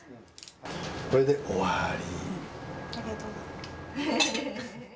これで終わり。